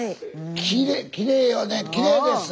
きれいきれいよねきれいです。